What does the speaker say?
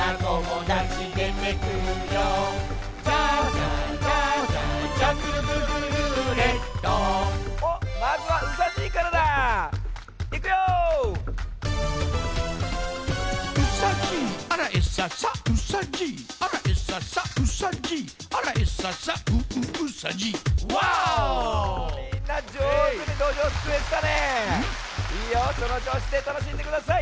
そのちょうしでたのしんでください！